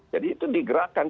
jadi itu digerakkan